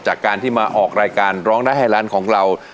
จากการที่มาออกรายการร้องได้ให้ร้านของเรา